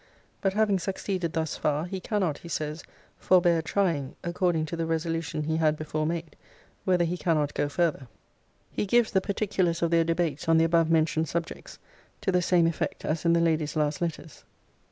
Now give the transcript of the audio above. But having succeeded thus far, he cannot, he says, forbear trying, according to the resolution he had before made, whether he cannot go farther. He gives the particulars of their debates on the above mentioned subjects, to the same effect as in the Lady's last letters.